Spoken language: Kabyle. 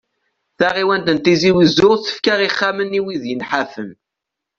Taɣiwant n Tizi wezzu tefka ixxamen i wid yenḥafen.